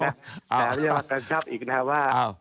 แต่ไม่ใช่ว่าการทรัพย์อีกนะครับว่า